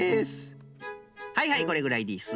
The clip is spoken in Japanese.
はいはいこれぐらいです。